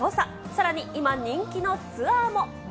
さらに今、人気のツアーも。